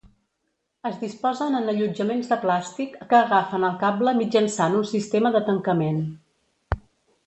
Es disposen en allotjaments de plàstic que agafen el cable mitjançant un sistema de tancament.